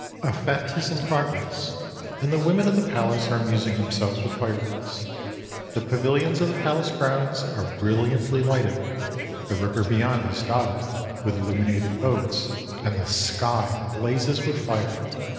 A fete is in progress, and the women of the palace are amusing them selves with fireworks. The pavilions of the palace grounds are brilliantly lighted, the river beyond is dotted with illu minated boats, and the sky blazes with fire.